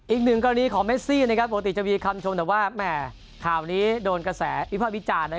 อีกหนึ่งกรณีของเมซี่ปกติจะมีคำชมแต่ว่าแหม่ข่าวนี้โดนกระแสวิภาพวิจารณ์